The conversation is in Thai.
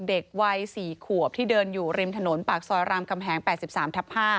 เด็กวัย๔ขวบที่เดินอยู่ริมถนนปากซอยรามคำแหง๘๓ทับ๕